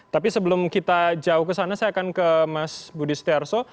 tapi sebelum kita jauh ke sana saya akan ke mas budi setiarso